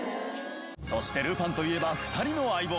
そしてルパンといえば２人の相棒。